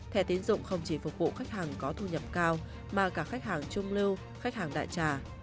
thẻ tiến dụng không chỉ phục vụ khách hàng có thu nhập cao mà cả khách hàng trung lưu khách hàng đại trà